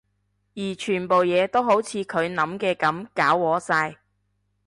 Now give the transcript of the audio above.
而全部嘢都好似佢諗嘅噉搞禍晒